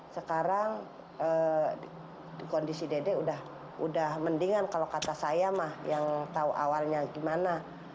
sekarang kondisi dede udah mendingan kalau kata saya mah yang tahu awalnya gimana